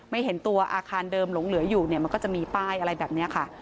เห็นตัวอาคารเดิมหลงเหลืออยู่เนี่ยมันก็จะมีป้ายอะไรแบบนี้ค่ะ